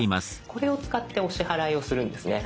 これを使ってお支払いをするんですね。